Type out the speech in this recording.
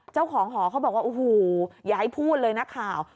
เจ้าของหอเขาบอกว่าโอ้โหอย่าให้พูดเลยนักข่าว